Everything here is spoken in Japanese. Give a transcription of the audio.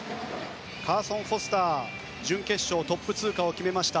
カーソン・フォスター準決勝トップ通過を決めました。